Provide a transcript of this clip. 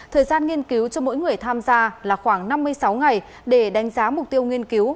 thời gian nghiên cứu cho mỗi người tham gia là khoảng năm mươi sáu ngày để đánh giá mục tiêu nghiên cứu